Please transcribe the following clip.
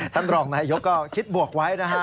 ท่านรองนายกก็คิดบวกไว้นะฮะ